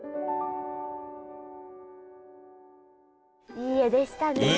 いい画でしたね。